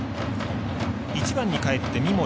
１番にかえって三森。